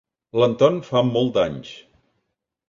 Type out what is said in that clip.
L'Anton fa molt d'anys.